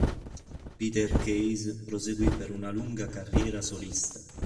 Peter Case proseguì per una lunga carriera solista.